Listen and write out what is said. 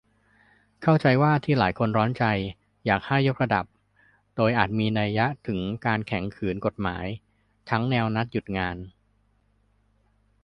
เข้าใจว่าที่หลายคนร้อนใจอยากให้ "ยกระดับ" โดยอาจมีนัยถึงการแข็งขืนกฎหมาย ทั้งแนวนัดหยุดงาน